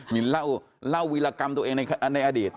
มีเล่าวิรกรรมตัวเองในอดีต